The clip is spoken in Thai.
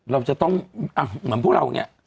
เราจะต้องเหมือนพวกเราอย่างนี้